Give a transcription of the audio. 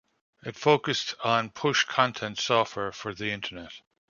It focused on "push" content software for the Internet.